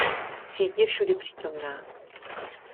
Síť je všudypřítomná.